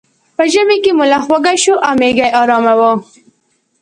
په ژمي کې ملخ وږی شو او میږی ارامه وه.